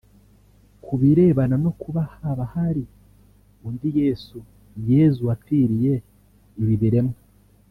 Kubirebana no kuba haba hari undi Yesu/Yezu wapfiriye ibi biremwa